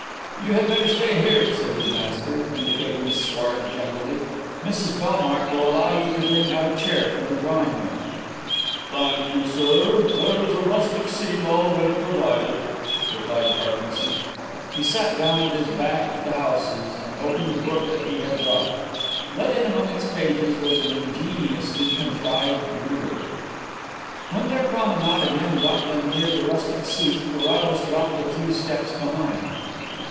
"You had better stay here," said his master, indicating the sward generally. "Mrs Bellmark will allow you to bring out a chair from the drawing room." "Thank you, sir; there is a rustic seat already provided," replied Parkinson. He sat down with his back to the houses and opened the book that he had brought. Let in among its pages was an ingeniously contrived mirror. When their promenade again brought them near the rustic seat Carrados dropped a few steps behind.